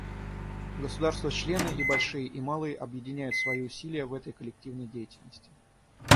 Государства-члены, и большие, и малые, объединяют свои усилия в этой коллективной деятельности.